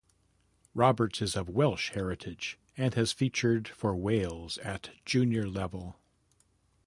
Roberts is of Welsh heritage and has featured for Wales at junior level.